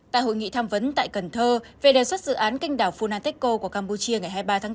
tại hội nghị tham vấn tại cần thơ về đề xuất dự án kênh đảo funantico của campuchia ngày hai mươi ba tháng bốn